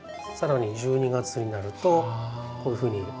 更に１２月になるとこういうふうに。